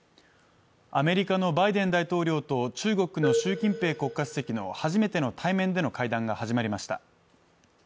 アメリカのバイデン大統領と中国の習近平国家主席の初めての対面での会談が始まりました